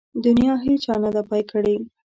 د نيا هيچا نده پاى کړې.